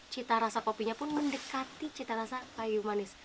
cita rasa kopinya pun mendekati cita rasa kayu manis